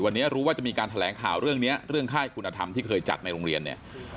วันนี้รู้ว่าจะมีการแถลงข่าวเรื่องนี้เรื่องค่ายคุณธรรมที่เคยจัดในโรงเรียนเนี่ย